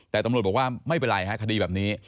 แต่ตำรวจบอกว่าไม่เป็นไรฮะคดีแบบนี้